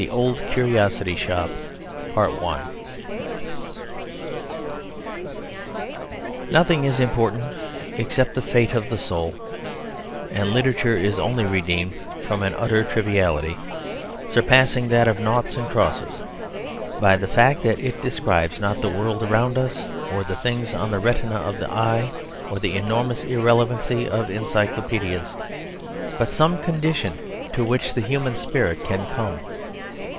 OLD CURIOSITY SHOP Nothing is important except the fate of the soul; and literature is only redeemed from an utter triviality, surpassing that of naughts and crosses, by the fact that it describes not the world around us or the things on the retina of the eye or the enormous irrelevancy of encyclopædias, but some condition to which the human spirit can come.